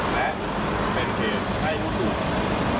สวัสดีครับ